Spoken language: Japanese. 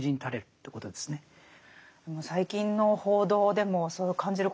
最近の報道でもそう感じることありますよね。